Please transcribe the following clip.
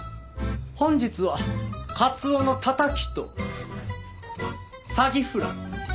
本日はカツオのたたきとサギフライ。